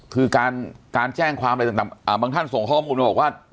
คือการการแจ้งความอะไรต่างต่างอ่าบางท่านส่งข้อมูลบอกว่า